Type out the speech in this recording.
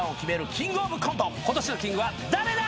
キングオブコント今年のキングは誰だ！？